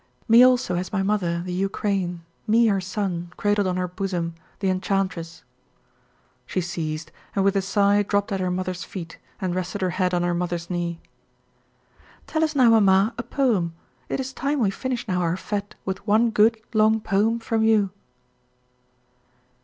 "Me also has my mother, the Ukraine, Me her son Cradled on her bosom, The enchantress." She ceased, and with a sigh dropped at her mother's feet and rested her head on her mother's knee. "Tell us now, mamma, a poem. It is time we finish now our fête with one good, long poem from you."